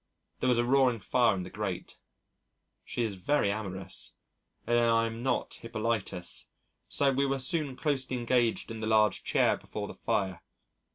There was a roaring fire in the grate. She is very amorous and I am not Hippolytus, so we were soon closely engaged in the large chair before the fire.